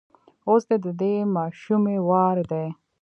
اوس د دې ماشومې وار دی.